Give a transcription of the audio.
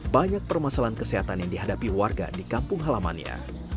banyak permasalahan kesehatan yang dihadapi warga di kampung halamannya